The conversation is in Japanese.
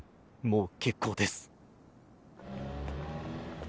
もう結構です。